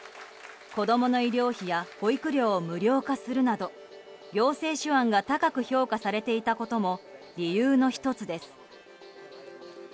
子供の医療費や保育料を無料化するなど行政手腕が高く評価されていたことも理由の１つです。